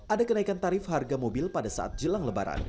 ada kenaikan tarif harga mobil pada saat jelang lebaran